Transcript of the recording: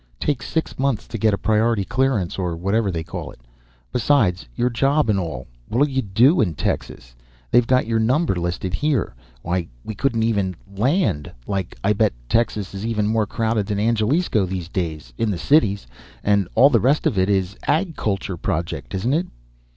Takes six months to get a prior'ty clearance or whatever they call it. Besides, your job and all what'll you do in Texas? They've got your number listed here. Why, we couldn't even land, like. I bet Texas is even more crowded than Angelisco these days, in the cities. And all the rest of it is Ag Culture project, isn't it?"